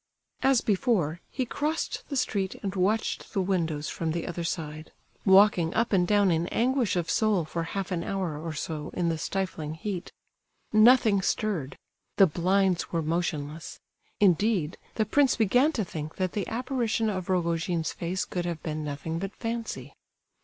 As before, he crossed the street and watched the windows from the other side, walking up and down in anguish of soul for half an hour or so in the stifling heat. Nothing stirred; the blinds were motionless; indeed, the prince began to think that the apparition of Rogojin's face could have been nothing but fancy.